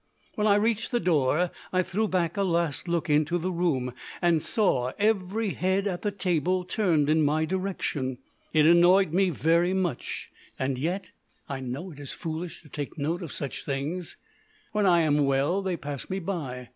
When I reached the door I threw back a last look into the room, and saw every head at the table turned in my direction. It annoyed me very much, and yet I know it is foolish to take note of such things. When I am well they pass me by.